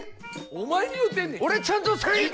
自分に言うてんねん！